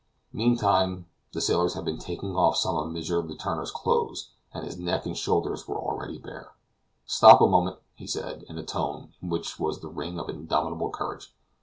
Meantime the sailors had been taking off some of M. Letourneur's clothes, and his neck and shoulders were already bare. "Stop a moment!" he said in a tone in which was the ring of indomitable courage.